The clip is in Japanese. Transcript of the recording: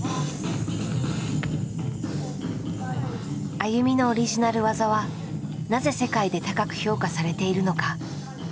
ＡＹＵＭＩのオリジナル技はなぜ世界で高く評価されているのか。